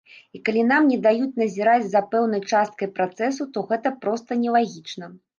І калі нам не даюць назіраць за пэўнай часткай працэсу, то гэта проста нелагічна!